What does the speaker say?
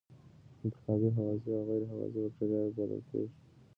انتحابی هوازی او غیر هوازی بکټریاوې بلل کیږي.